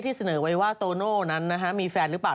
เสนอไว้ว่าโตโน่นั้นมีแฟนหรือเปล่า